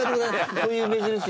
そういう目印。